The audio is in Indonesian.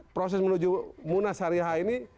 proses menuju munas sariha ini